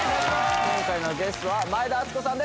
今回のゲストは前田敦子さんです